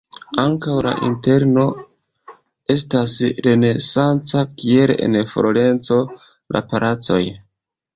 Ankaŭ la interno estas renesanca, kiel en Florenco la palacoj.